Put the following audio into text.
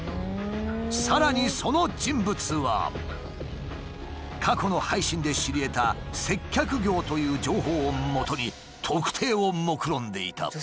さらにその人物は過去の配信で知り得た接客業という情報をもとに特定をもくろんでいた。